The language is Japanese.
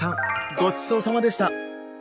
ごちそうさまでした。